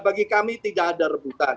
bagi kami tidak ada rebutan